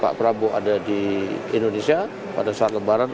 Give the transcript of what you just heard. pak prabowo ada di indonesia pada saat lebaran